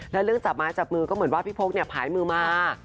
แล้วเรื่องจับไม้จับมือก็เหมือนว่าพี่พกเนี่ยผายมือมา